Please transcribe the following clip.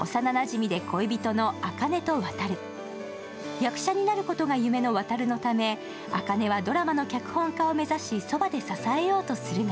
役者になることが夢の渉のため、茜はドラマの脚本家を目指し、そばで支えようとするが